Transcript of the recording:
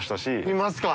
いますか？